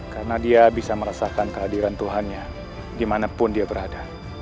karena dia bisa merasakan kehadiran tuhan di mana pun dia berada